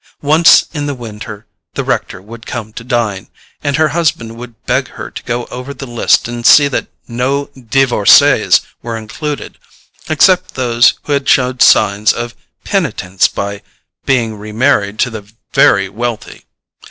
Once in the winter the rector would come to dine, and her husband would beg her to go over the list and see that no DIVORCEES were included, except those who had showed signs of penitence by being re married to the very wealthy.